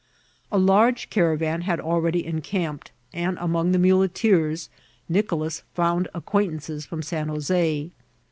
A large caravan had alreadj encampedi and among the maldeers Nicolas fomid acquaintances from San Joa6.